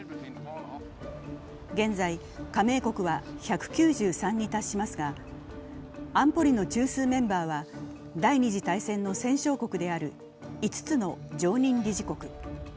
現在、加盟国は１９３に達しますが安保理の中枢メンバーは第２次大戦の戦勝国である５つの常任理事国。